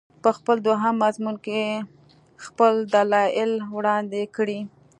په خپل دوهم مضمون کې یې خپل دلایل وړاندې کړي.